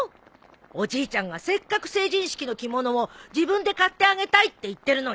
おじいちゃんがせっかく成人式の着物を自分で買ってあげたいって言ってるのに。